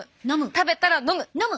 食べたら飲む！